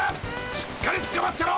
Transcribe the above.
しっかりつかまってろ！